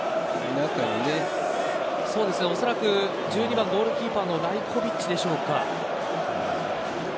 おそらく１２番ゴールキーパーのライコヴィッチでしょうか。